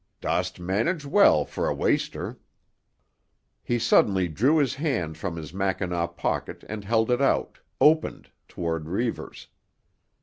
"Dost manage well for a waster." He suddenly drew his hand from his mackinaw pocket and held it out, opened, toward Reivers.